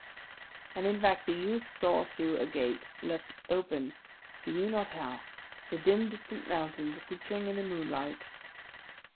And, in fact, the youth saw through a gate, left open he knew not how, the dim, distant mountains glittering in the moonlight.